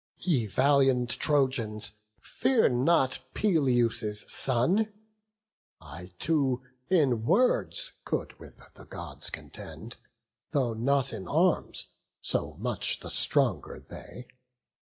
"Ye valiant Trojans, fear not Peleus' son; I too in words could with the Gods contend, Though not in arms; so much the stronger they.